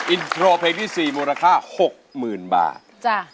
อินโทรเพลงที่๔มูลค่า๖๐๐๐บาท